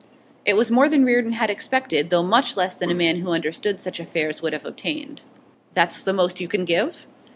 It was more than Reardon had expected, though much less than a man who understood such affairs would have obtained. 'That's the most you can give?